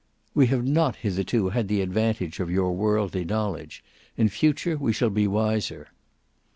"We have not hitherto had the advantage of your worldly knowledge; in future we shall be wiser."